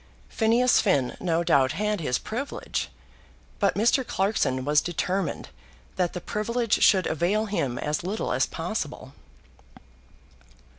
Phineas Finn no doubt had his privilege, but Mr. Clarkson was determined that the privilege should avail him as little as possible.